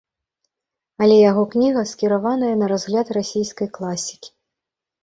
Але яго кніга скіраваная на разгляд расійскай класікі.